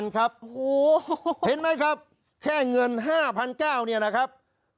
๕๑๑๐๐๐ครับเห็นไหมครับแค่เงิน๕๙๐๐เนี่ยนะครับ